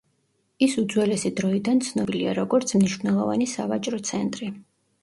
ის უძველესი დროიდან ცნობილია, როგორც მნიშვნელოვანი სავაჭრო ცენტრი.